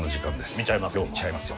見ちゃいますよ。